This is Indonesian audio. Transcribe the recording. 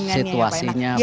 hubungannya ya pak enak